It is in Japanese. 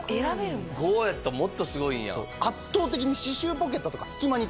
５やともっとすごいんや。